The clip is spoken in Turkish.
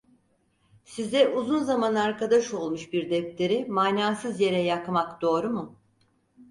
Size uzun zaman arkadaş olmuş bir defteri manasız yere yakmak doğru mu?